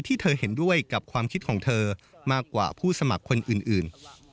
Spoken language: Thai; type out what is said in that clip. ที่เธอเห็นด้วยกับความคิดของเธอมากกว่าผู้สมัครคนอื่น